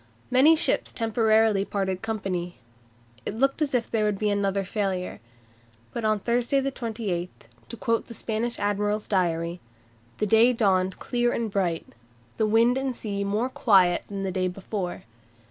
Many ships temporarily parted company. It looked as if there would be another failure. But on Thursday the 28th (to quote the Spanish admiral's diary) "the day dawned clear and bright, the wind and sea more quiet than the day before.